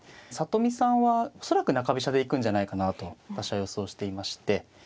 里見さんは恐らく中飛車で行くんじゃないかなと私は予想していまして。